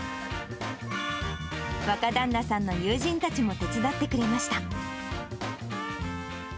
若旦那さんの友人たちも手伝ってくれました。